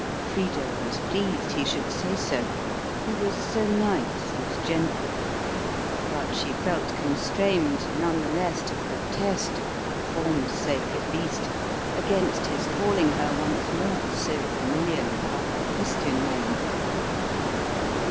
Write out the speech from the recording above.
Frida was pleased he should say so; he was so nice and gentle: but she felt constrained none the less to protest, for form's sake at least, against his calling her once more so familiarly by her Christian name.